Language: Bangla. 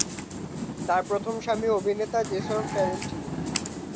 তার প্রথম স্বামী অভিনেতা জেমস ফারেন্টিনো।